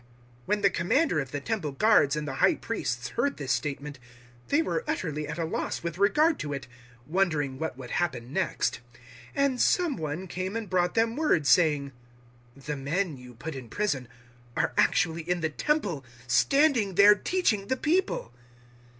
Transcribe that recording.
005:024 When the Commander of the Temple Guards and the High Priests heard this statement, they were utterly at a loss with regard to it, wondering what would happen next. 005:025 And some one came and brought them word, saying, "The men you put in prison are actually in the Temple, standing there, teaching the people."